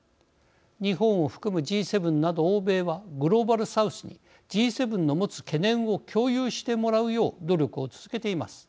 日本を含むＧ７など欧米はグローバルサウスにＧ７の持つ懸念を共有してもらうよう努力を続けています。